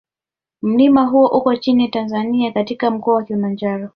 Mlima huo uko nchini Tanzania katika Mkoa wa Kilimanjaro